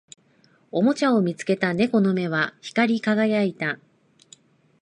おもちゃを見つけた猫の目は光り輝いた